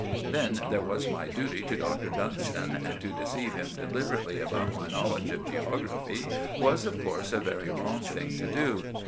Then there was my duty to Dr. Dunstan; and to deceive him deliberately about my knowledge of geography was, of course, a very wrong thing to do.